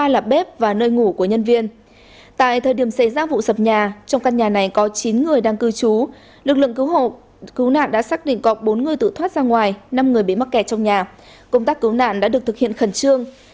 cơ quan công an quận ba đình hà nội bước đầu xác định có bốn người tự thoát ra ngoài năm người bị mắc kẹt trong nhà công tác cứu nạn đã được thực hiện khẩn trương